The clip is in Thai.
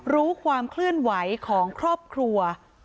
รู้ความเคลื่อนไหวของครอบครัว